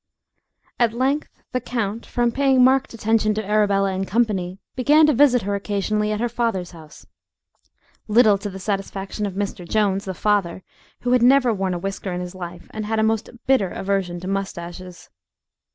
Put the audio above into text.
At length the count, from paying marked attention to Arabella in company, began to visit her occasionally at her father's house, little to the satisfaction of Mr. Jones, the father, who had never worn a whisker in his life, and had a most bitter aversion to moustaches.